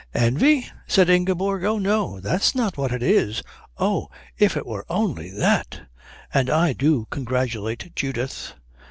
"Envy?" said Ingeborg. "Oh, no that's not what it is. Oh, if it were only that! And I do congratulate Judith.